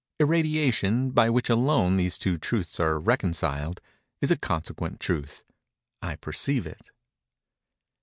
Irradiation, by which alone these two truths are reconciled, is a consequent truth—I perceive it.